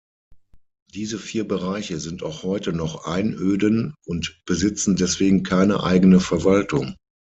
Diese vier Bereiche sind auch heute noch Einöden und besitzen deswegen keine eigene Verwaltung.